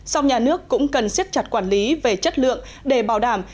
sau nhà nước cũng cần siết chặt quản lý về chất lượng để bảo đảm